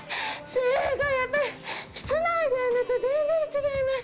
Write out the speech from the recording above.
すごい、やっぱり室内でやるのと全然違います。